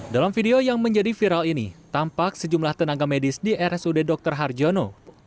dalam video yang menjadi viral ini tampak sejumlah tenaga medis di rsud dr harjono